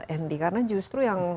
andy karena justru yang